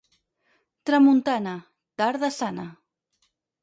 Tramuntana, tarda sana.